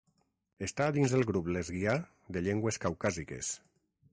Està dins el grup lesguià de llengües caucàsiques.